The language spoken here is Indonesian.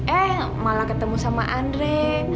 eh malah ketemu sama andre